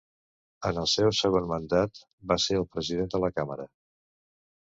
En el seu segon mandat, va ser el president de la Càmera.